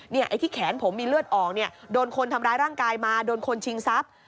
ไอ้ที่แขนผมมีเลือดออกเนี่ยโดนคนทำร้ายร่างกายมาโดนคนชิงทรัพย์